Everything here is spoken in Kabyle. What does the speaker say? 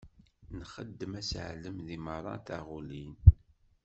Nxeddem aseɛlem deg merra taɣulin.